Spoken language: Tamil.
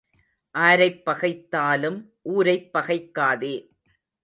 ஆரைப் பகைத்தாலும் ஊரைப் பகைக்காதே.